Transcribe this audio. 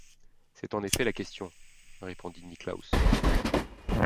C’est en effet la question, » répondit Niklausse.